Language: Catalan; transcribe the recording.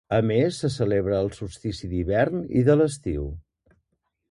A més, se celebrarà el solstici d’hivern i de l’estiu.